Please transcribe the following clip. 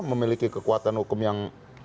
memiliki kekuatan hukum yang